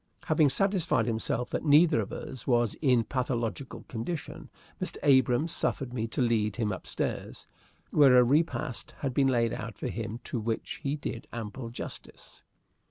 Having satisfied himself that neither of us was in a pathological condition, Mr. Abrahams suffered me to lead him upstairs, where a repast had been laid out for him to which he did ample justice.